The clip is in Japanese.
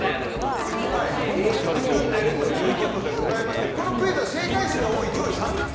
含んでるということでございましてこのクイズは正解数が多い上位３名。